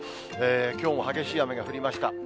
きょうも激しい雨が降りました。